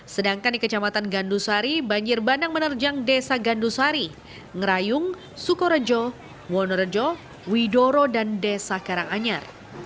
sedangkan di kecamatan gandusari banjir bandang menerjang desa gandusari ngerayung sukorejo wonorejo widoro dan desa karanganyar